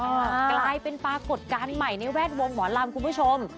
กลายเป็นปรากฏการณ์ใหม่ในแวดวงหมอลำคุณผู้ชม